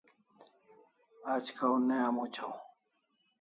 Aj kaw ne amuchaw